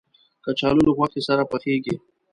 کچالو له غوښې سره پخېږي